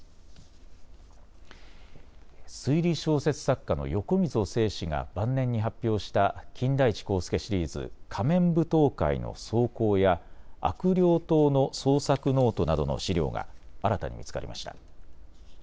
推理小説作家の横溝正史が晩年に発表した金田一耕助シリーズ、仮面舞踏会の草稿や悪霊島の創作ノートなどの資料が新たに見つかりました。